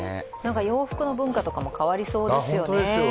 洋服の文化とかも変わりそうですよね。